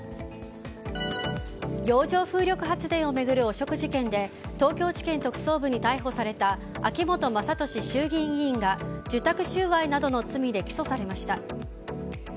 洋上風力発電を巡る汚職事件で東京地検特捜部に逮捕された秋本真利衆議院議員が受託収賄などの罪で起訴されました。